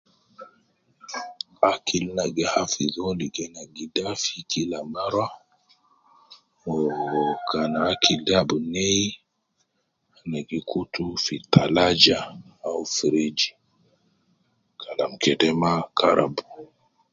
Akil na gi hafidh uwo ligo ina gi dafi kila mara, wu kan akil de ab nei, ne gi kutu fi kalaja au fridge kalam kede ma karab